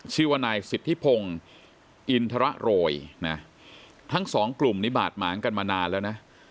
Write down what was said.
ชื่อว่านายสิทธิพงศ์อินทรโรยนะทั้งสองกลุ่มนี้บาดหมางกันมานานแล้วนะ